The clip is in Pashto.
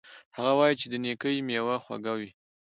هغه وایي چې د نیکۍ میوه خوږه وي